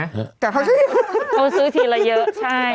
แต่เขาจะอยู่ที่นี่ไหมครับเขาซื้อทีละเยอะใช่